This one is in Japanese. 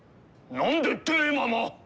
「何で」ってママ。